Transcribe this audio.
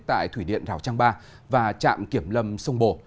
tại thủy điện rào trang ba và trạm kiểm lâm sông bồ